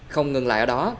không ngừng lại ở đó